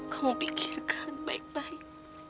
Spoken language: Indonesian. kamu pikirkan baik baik